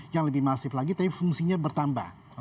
yang lebih masif lagi tapi fungsinya bertambah